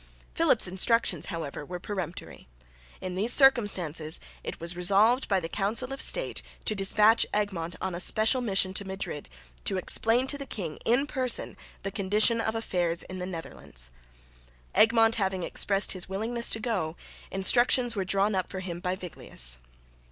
Philip's instructions however were peremptory. In these circumstances it was resolved by the Council of State to despatch Egmont on a special mission to Madrid to explain to the king in person the condition of affairs in the Netherlands. Egmont having expressed his willingness to go, instructions were drawn up for him by Viglius.